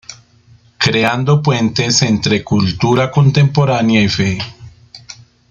Creando puentes entre Cultura Contemporánea y Fe.